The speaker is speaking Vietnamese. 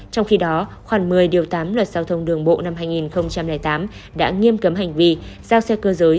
trong khi đó khoảng một mươi điều tám luật giao thông đường bộ năm hai nghìn tám đã nghiêm cấm hành vi giao xe cơ giới